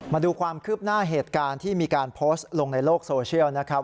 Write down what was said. มาดูความคืบหน้าเหตุการณ์ที่มีการโพสต์ลงในโลกโซเชียลนะครับ